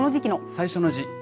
最初の字。